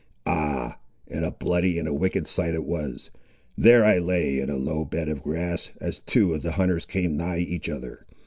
"Ah! and a bloody and wicked sight it was. There I lay in a low bed of grass, as two of the hunters came nigh each other.